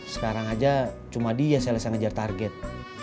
sekarang aja cuma dia saya ngejar target